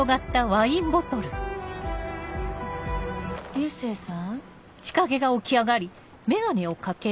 流星さん？